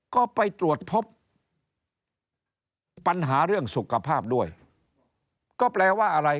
ก็ไปตรวจพบปัญหาเรื่องสุขภาพด้วยก็แปลว่าอะไร